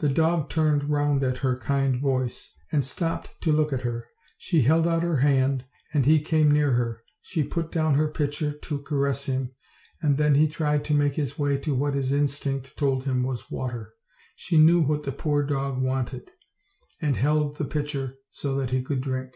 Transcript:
The dog turned round at her kind voice, and stopped to look at her; she held out her hand, and he came near her; she put down her pitcher to caress him, and then he tried to make his way to what his instinct told him was water; she knew what the poor dog wanted, and held the pitcher so that he could drink.